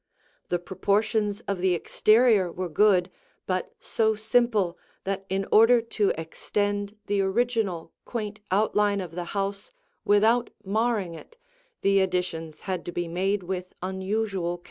The proportions of the exterior were good but so simple that in order to extend the original quaint outline of the house without marring it, the additions had to be made with unusual care.